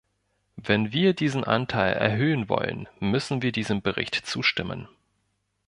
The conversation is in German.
Wenn wir diesen Anteil erhöhen wollen, müssen wir diesem Bericht zustimmen.